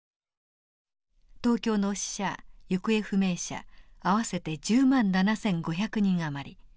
東京の死者行方不明者合わせて１０万７，５００人余り。